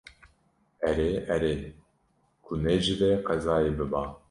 Erê, erê, ku ne ji vê qezayê biba